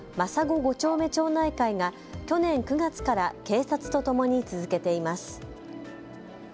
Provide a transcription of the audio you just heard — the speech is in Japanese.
５丁目町内会が去年９月から警察とともに続けています。